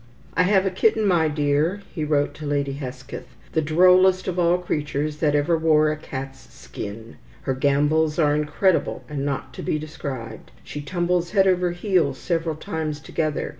"I have a kitten, my dear," he wrote to Lady Hesketh, "the drollest of all creatures that ever wore a cat's skin. Her gambols are incredible, and not to be described. She tumbles head over heels several times together.